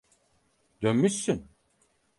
Dönmüşsün.